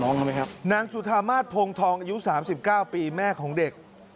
ทำไมครับนางจุธามาสพงทองอายุ๓๙ปีแม่ของเด็ก